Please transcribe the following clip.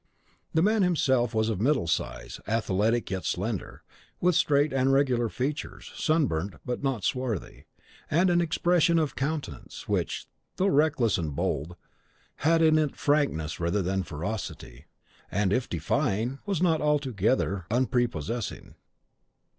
The man himself was of middle size, athletic yet slender, with straight and regular features, sunburnt, but not swarthy; and an expression of countenance which, though reckless and bold, had in it frankness rather than ferocity, and, if defying, was not altogether unprepossessing.